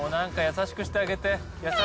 優しくしてあげて。